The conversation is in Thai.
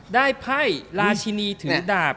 ไพ่ราชินีถือดาบ